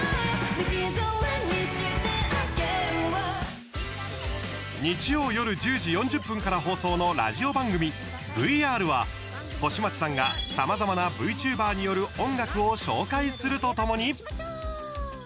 「道連れにしてあげるわ」日曜夜１０時４０分から放送のラジオ番組「ぶいあーる！」は星街さんが、さまざまな ＶＴｕｂｅｒ による音楽を紹介するとともに。